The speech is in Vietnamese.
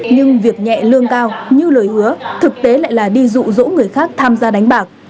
nhưng việc nhẹ lương cao như lời hứa thực tế lại là đi rụ rỗ người khác tham gia đánh bạc